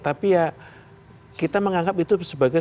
tapi ya kita menganggap itu sebagai